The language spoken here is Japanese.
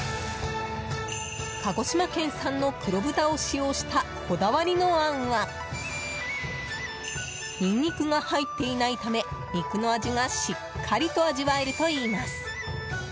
鹿児島県産の黒豚を使用したこだわりのあんはニンニクが入っていないため肉の味がしっかりと味わえるといいます。